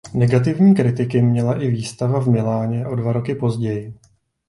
Negativní kritiky měla i výstava v Miláně o dva roky později.